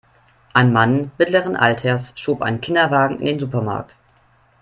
Ein Mann mittleren Alters schob einen Kinderwagen in den Supermarkt.